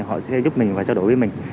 họ sẽ giúp mình và trao đổi với mình